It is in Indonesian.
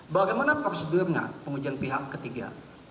bagaimana prosedurnya pengujian pihak ketiga